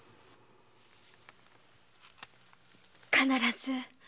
必ず